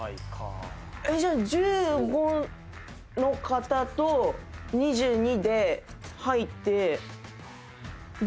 じゃあ１５の方と２２で入って。